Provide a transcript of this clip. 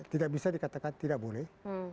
tidak bisa dikatakan tidak boleh